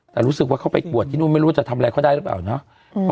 แต่รู้สึกว่าเขาไปปวดที่นู่นไม่รู้ว่าจะทำอะไรเขาได้หรือเปล่าเนาะ